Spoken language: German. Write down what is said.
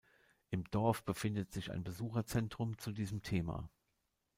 Im Dorf befindet sich ein Besucherzentrum zu diesem Thema.